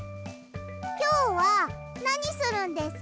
きょうはなにするんですか？